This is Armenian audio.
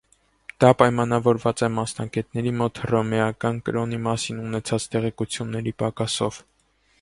Դա պայմանավորված է մասնագետների մոտ հռոմեական կրոնի մասին ունեցած տեղեկությունների պակասով։